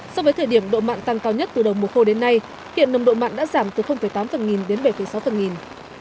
so với thời điểm độ mặn tăng cao nhất từ đầu mùa khô đến nay hiện nồng độ mặn đã giảm từ tám phần nghìn đến bảy sáu phần nghìn